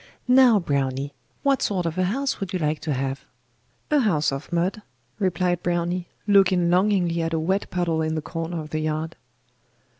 Now, Browny, what sort of a house would you like to have?' 'A house of mud,' replied Browny, looking longingly at a wet puddle in the corner of the yard.